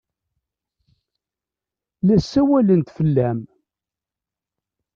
La ssawalent fell-am.